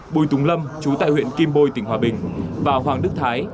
bùi tùng lâm chú tại huyện kim bôi tỉnh hòa bình và hoàng đức thái